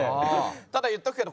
ただ言っとくけど。